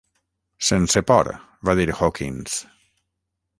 "Sense por", va dir Hawkins.